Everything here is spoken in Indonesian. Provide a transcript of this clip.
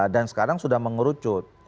dan sekarang sudah mengerucut ya